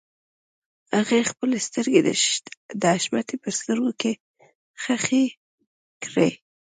هغې خپلې سترګې د حشمتي په سترګو کې ښخې کړې.